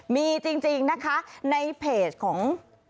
มีจริงนะคะในเพจของ